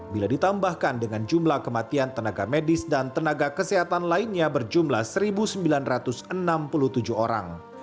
bila ditambahkan dengan jumlah kematian tenaga medis dan tenaga kesehatan lainnya berjumlah satu sembilan ratus enam puluh tujuh orang